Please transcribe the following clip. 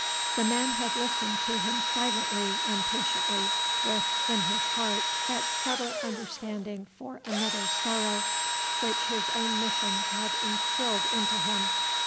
The man had listened to him silently and patiently with, in his heart, that subtle understanding for another's sorrow, which his own mission had instilled into him.